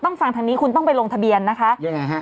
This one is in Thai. ฟังทางนี้คุณต้องไปลงทะเบียนนะคะยังไงฮะ